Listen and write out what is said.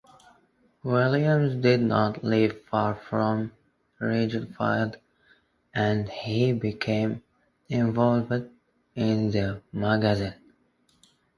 Williams did not live far from Ridgefield, and he became involved in the magazine.